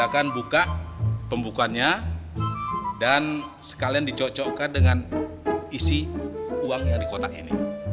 apa gak ada lagi omongan yang lain